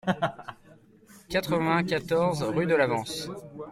quatre-vingt-quatorze rue de l'Avance